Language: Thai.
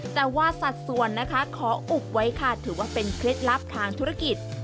แต่ว่าสัดส่วนนะคะขออุบไว้ค่ะถือว่าเป็นเคล็ดลับทางธุรกิจ